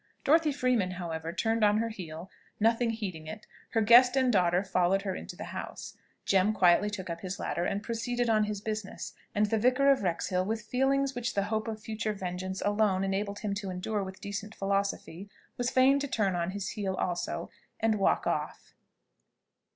Dorothy Freeman, however, turned on her heel, nothing heeding it: her guest and daughter followed her into the house; Jem quietly took up his ladder and proceeded on his business; and the Vicar of Wrexhill, with feelings which the hope of future vengeance alone enabled him to endure with decent philosophy, was fain to turn on his heel also and walk off.